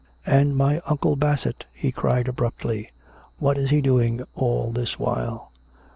"And my Uncle Bassett? " he cried abruptly. "What is he doing all this while